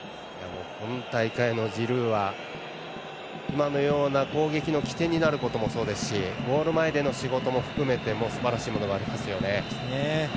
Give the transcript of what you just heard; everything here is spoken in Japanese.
今大会のジルーは今のような攻撃の起点になることもそうですしゴール前での仕事も含めてすばらしいものがありますよね。